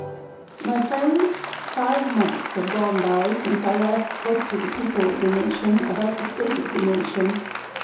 My Friends: Five months have gone by since I last spoke to the people of the nation about the state of the nation.